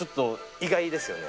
意外ですよね。